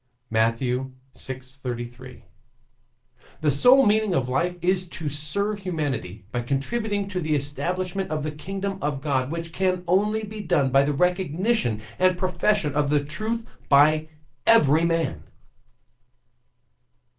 (Matt. vi. 33.) The sole meaning of life is to serve humanity by contributing to the establishment of the kingdom of God, which can only be done by the recognition and profession of the truth by every man.